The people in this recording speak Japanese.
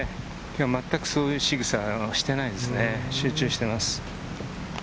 今日は全くそういう仕草はしていないですね、集中しています。